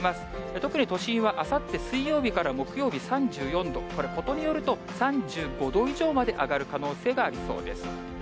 特に都心はあさって水曜日、木曜日３４度、これ、事によると、３５度以上まで上がる可能性がありそうです。